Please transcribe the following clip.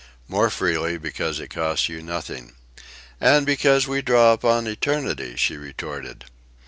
"More freely, because it costs you nothing." "And because we draw upon eternity," she retorted.